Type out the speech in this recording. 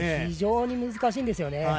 非常に難しいんですよね。